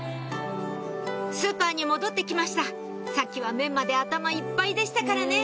スーパーに戻って来ましたさっきはメンマで頭いっぱいでしたからね